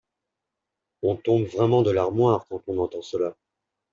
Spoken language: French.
On tombe vraiment de l’armoire quand on entend cela